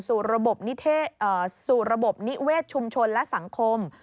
สู่ระบบนิเวศชุมชนและสังคม